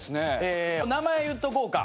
名前言っとこうか。